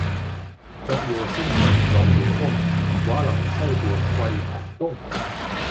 昨夜星辰昨夜風，畫樓西畔桂堂東。